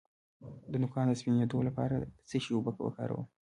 د نوکانو د سپینیدو لپاره د څه شي اوبه وکاروم؟